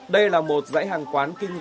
đây là một dãy hàng quán kinh doanh